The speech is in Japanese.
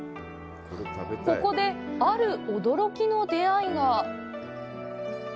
ここで、ある驚きの出会いが。